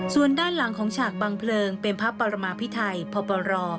ส่วนด้านหลังของฉากบังเพลิงเป็นพระปรมาพิไทยพปร